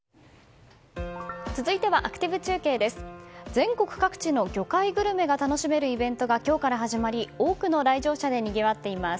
全国各地の魚介グルメが楽しめるイベントが今日から始まり多くの来場者でにぎわっています。